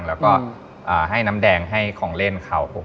แล้วก็ให้น้ำแดงให้ของเล่นเขา